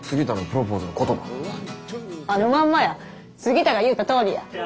あのまんまや杉田が言うたとおりや。